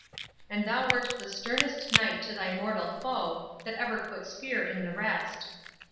And thou wert the sternest knight to thy mortal foe that ever put spear in the rest."